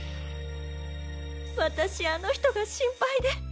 私あの人が心配で。